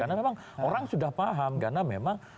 karena memang orang sudah paham karena memang